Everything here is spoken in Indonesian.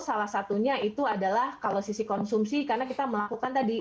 salah satunya itu adalah kalau sisi konsumsi karena kita melakukan tadi